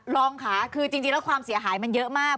รองค่ะคือจริงแล้วความเสียหายมันเยอะมาก